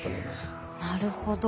なるほど。